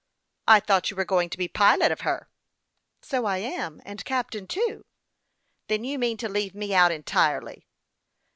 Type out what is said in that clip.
" I thought you were going to be pilot of her." " So I am ; and captain too." " Then you mean to leave me out entirely."